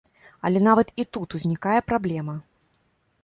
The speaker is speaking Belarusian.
Але нават і тут узнікае праблема.